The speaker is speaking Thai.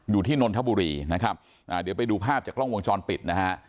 นนทบุรีนะครับอ่าเดี๋ยวไปดูภาพจากกล้องวงจรปิดนะฮะ